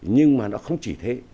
nhưng mà nó không chỉ thế